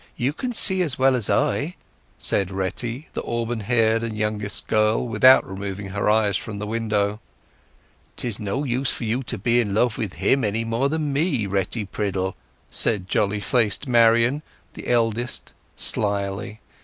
You can see as well as I," said Retty, the auburn haired and youngest girl, without removing her eyes from the window. "'Tis no use for you to be in love with him any more than me, Retty Priddle," said jolly faced Marian, the eldest, slily.